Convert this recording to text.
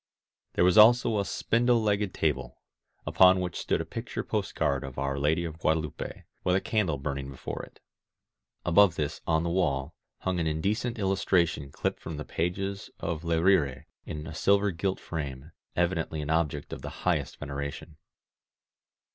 There was also a spindle legged table, upon which stood a picture postcard of Our Lady of Guadelupe, with a candle burning before it. Above this, on the wall, hung an indecent illustration clipped from the pages of Le RirCy in a silver gilt frame — evidently an object of the highest veneration.